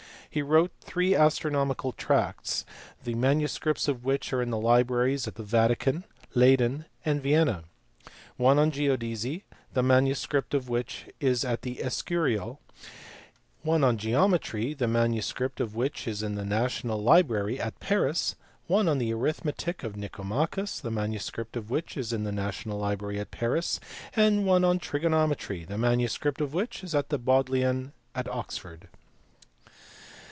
He wrote three astronomical tracts, the manuscripts of which are in the libraries at the Vatican, Leyden, and Vienna: one on geodesy, the manuscript of which is at the Escurial : one on geometry, the manuscript of which is in the National Library at Paris : one on the arithmetic of Nicomachus, the manuscript of which is in the National Library at Paris : and one on trigonometry, the manuscript of which is in the Bodleian at Oxford.